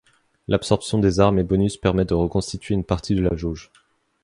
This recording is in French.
L'absorption des armes et bonus permet de reconstituer une partie de la jauge.